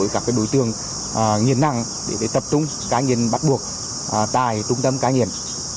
các đối tượng nghiện nặng để tập trung cãi nghiện bắt buộc tại trung tâm cãi nghiện